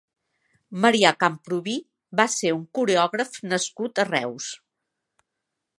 Marià Camprubí va ser un coreògraf nascut a Reus.